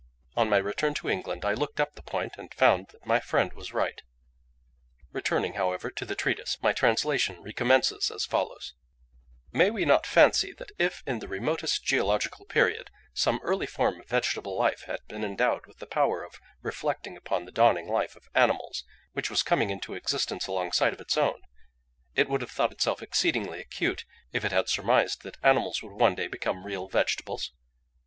On my return to England, I looked up the point, and found that my friend was right. Returning, however, to the treatise, my translation recommences as follows: "May we not fancy that if, in the remotest geological period, some early form of vegetable life had been endowed with the power of reflecting upon the dawning life of animals which was coming into existence alongside of its own, it would have thought itself exceedingly acute if it had surmised that animals would one day become real vegetables?